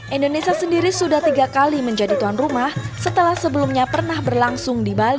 indonesia sendiri sudah tiga kali menjadi tuan rumah setelah sebelumnya pernah berlangsung di bali